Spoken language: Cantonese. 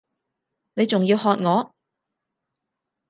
你仲要喝我！